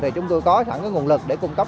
chúng tôi có sẵn nguồn lực để cung cấp